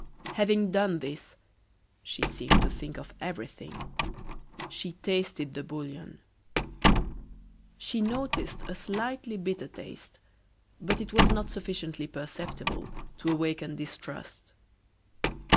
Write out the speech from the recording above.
Having done this she seemed to think of everything she tasted the bouillon. She noticed a slightly bitter taste, but it was not sufficiently perceptible to awaken distrust.